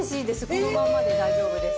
このまんまで大丈夫です。